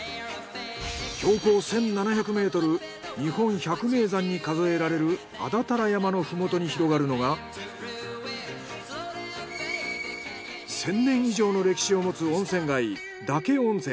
標高１，７００ｍ日本百名山に数えられる安達太良山のふもとに広がるのが１，０００年以上の歴史をもつ温泉街